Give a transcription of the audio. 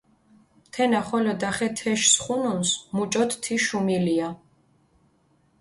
თენა ხოლო დახე თეშ სხუნუნს, მუჭოთ თი შუმილია.